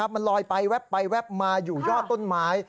มันลอยไปแวบไปแวบมาอยู่ยอดต้นไม้